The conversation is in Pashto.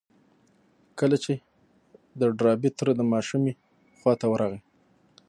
کله چې د ډاربي تره د ماشومې خواته ورغی.